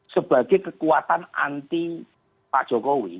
sebagai kekuatan anti pak jokowi